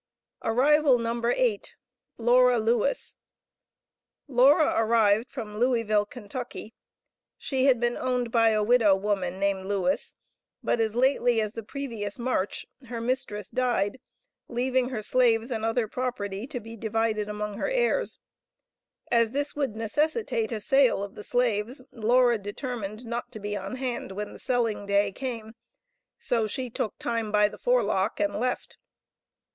Arrival No. 8. Laura Lewis. Laura arrived from Louisville, Kentucky. She had been owned by a widow woman named Lewis, but as lately as the previous March her mistress died, leaving her slaves and other property to be divided among her heirs. As this would necessitate a sale of the slaves, Laura determined not to be on hand when the selling day came, so she took time by the forelock and left.